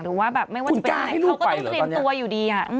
หรือว่าแบบไม่ว่าจะไปไหนเขาก็ต้องเตรียมตัวอยู่ดี